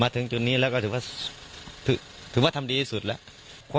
มาถึงจนนี้แล้วถือว่าทำดีอย่างสุดละ